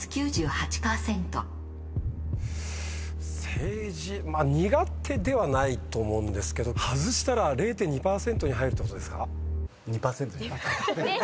政治まあ苦手ではないと思うんですけど外したら０．２％に入るってことですか？